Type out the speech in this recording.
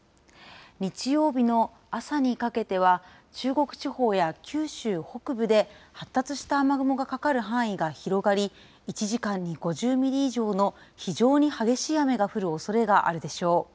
日曜日の朝にかけては、中国地方や九州北部で、発達した雨雲がかかる範囲が広がり、１時間に５０ミリ以上の非常に激しい雨が降るおそれがあるでしょう。